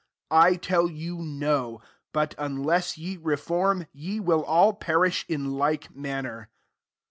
5 I tell you, No ; but, unless ye reform, ye will all perish in like manner."